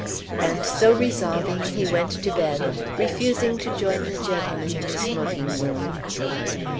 And so resolving he went to bed, refusing to join the gentlemen in the smoking room.